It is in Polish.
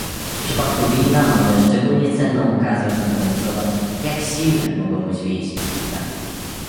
W przypadku Wilna mamy szczególnie cenną okazję zademonstrować, jak silne mogą być więzi współpracy